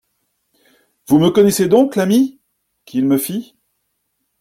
«, Vous me connaissez donc, l'ami ? qu'il me fit.